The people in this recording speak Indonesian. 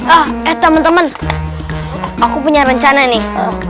oh eh teman teman aku punya rencana nih